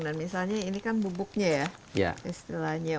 dan misalnya ini kan bubuknya ya